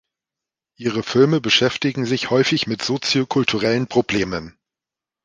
Ihre Filme beschäftigen sich häufig mit sozio-kulturellen Problemen.